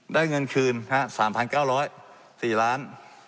ได้เงินคืนสามพันเก้าร้อยสี่ล้าน